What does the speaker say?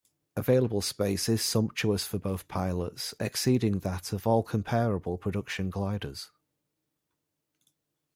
Available space is sumptuous for both pilots, exceeding that of all comparable production gliders.